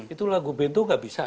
itu lagu bintu nggak bisa